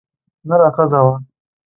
نره ښځه وه.